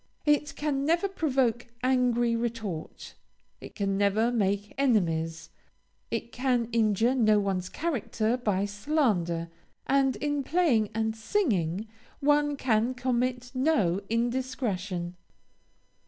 It can never provoke angry retort; it can never make enemies; it can injure no one's character by slander; and in playing and singing one can commit no indiscretion.